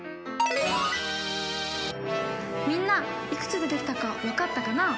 みんないくつ出てきたかわかったかな？